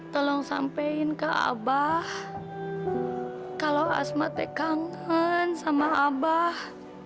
tolong sampein ke abah kalau asmat ya kangen sama abah